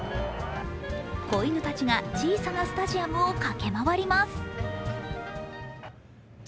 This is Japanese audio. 子犬たちが小さなスタジアムを駆け回ります。